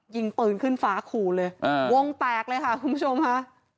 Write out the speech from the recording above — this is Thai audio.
ยิงปืนขึ้นฟ้าขู่เลยวงแตกเลยค่ะคุณผู้ชมค่ะ